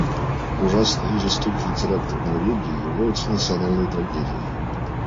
Ужасные и жестокие теракты в Норвегии являются национальной трагедией.